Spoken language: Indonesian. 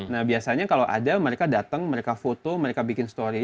nah biasanya kalau ada mereka datang mereka foto mereka bikin story